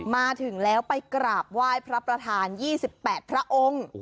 มาถึงแล้วไปกราบไหว้พระประธาน๒๘พระองค์